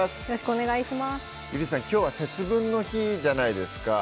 きょうは節分の日じゃないですか